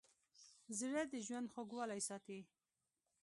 زړه د ژوند خوږوالی ساتي.